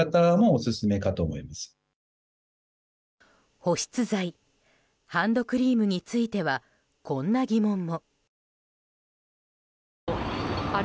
保湿剤ハンドクリームについてはこんな疑問も。